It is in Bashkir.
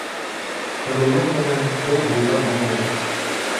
Һылыулыҡ менән һыу буйлап булмай.